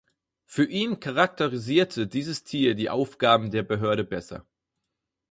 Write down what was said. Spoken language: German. Für ihn charakterisierte dieses Tier die Aufgaben der Behörde besser.